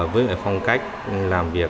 với phong cách làm việc